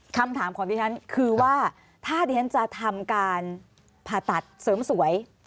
คำถามของดิฉันคือว่าถ้าดิฉันจะทำการผ่าตัดเสริมสวย